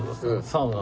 サウナ。